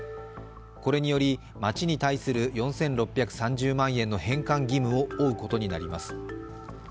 これにより町に対する４６３０万円の返還義務を負うことになります。